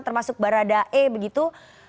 termasuk baradae begitu